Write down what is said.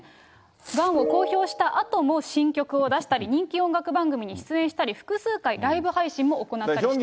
がんを公表したあとも、新曲を出したり、人気音楽番組に出演したり、複数回、ライブ配信も行ったりしています。